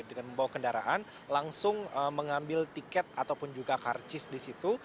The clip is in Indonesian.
dengan membawa kendaraan langsung mengambil tiket ataupun juga karcis di situ